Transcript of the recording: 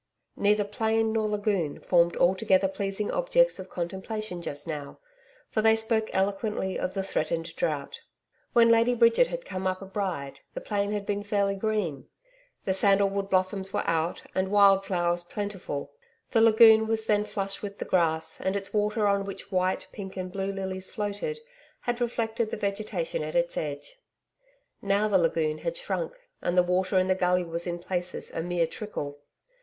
Neither plain nor lagoon formed altogether pleasing objects of contemplation just now, for they spoke eloquently of the threatened drought. When Lady Bridget had come up a bride, the plain had been fairly green. The sandal wood blossoms were out and wild flowers plentiful. The lagoon was then flush with the grass, and its water, on which white, pink and blue lilies floated, had reflected the vegetation at its edge. Now the lagoon had shrunk and the water in the gully was in places a mere trickle.